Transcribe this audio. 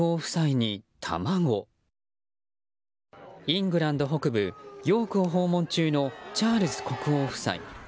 イングランド北部ヨークを訪問中のチャールズ国王夫妻。